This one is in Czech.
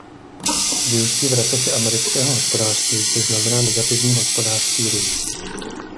Vyústí v recesi amerického hospodářství, což znamená negativní hospodářský růst.